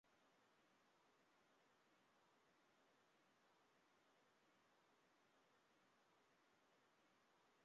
普瓦夫雷人口变化图示